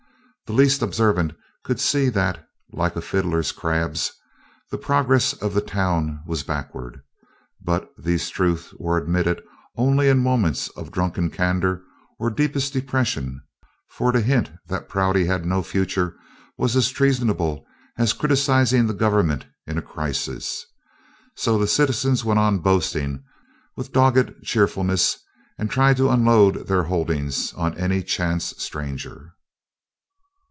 The least observant could see that, like a fiddler crab's, the progress of the town was backward. But these truths were admitted only in moments of drunken candor or deepest depression, for to hint that Prouty had no future was as treasonable as criticising the government in a crisis. So the citizens went on boasting with dogged cheerfulness and tried to unload their holdings on any chance stranger.